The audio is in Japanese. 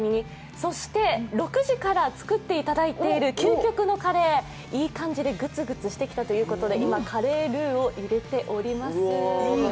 そして６時から作っていただいている究極のカレーいい感じでぐつぐつしてきたということで今、カレールーを入れております。